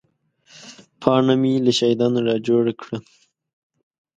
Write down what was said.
پاڼه مې له شاهدانو را جوړه کړه.